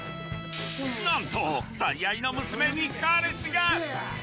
なんと最愛の娘に彼氏が⁉